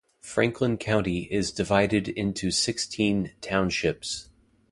Franklin County is divided into sixteen townships.